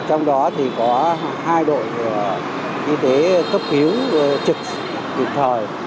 trong đó thì có hai đội y tế cấp thiếu trực trực thời